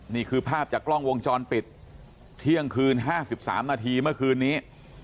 นี่คือภาพจากกล้องวงจรปิดเที่ยงคืน๕๓นาทีเมื่อคืนนี้